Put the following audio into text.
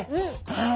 はい。